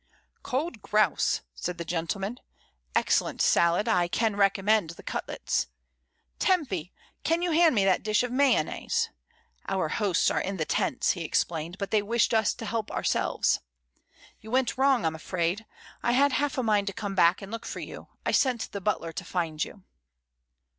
"Cold grouse," said the gentleman. "Excellent salad; I can recommend the cutlets. Tempy, can you hand me that dish of mayonnaise? Our hosts are in the tents," he explained, "but they wish us to help ourselves. You went wrong, Fm afraid; I had half a mind to come back, and look for you, I sent the butler to find you."